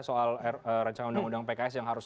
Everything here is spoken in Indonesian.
soal rancangan undang undang pks yang harus